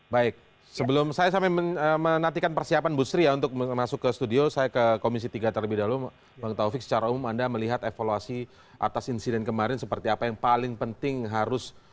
baik sebelum saya sampai menantikan persiapan bu sri ya untuk masuk ke studio saya ke komisi tiga terlebih dahulu bang taufik secara umum anda melihat evaluasi atas insiden kemarin seperti apa yang paling penting harus